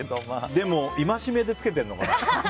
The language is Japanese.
でも戒めで着けてるのかな。